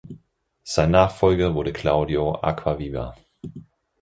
Sein Nachfolger wurde Claudio Acquaviva.